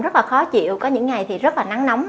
rất là khó chịu có những ngày thì rất là nắng nóng